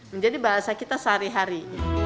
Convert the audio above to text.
menjadi bahasa kita sehari hari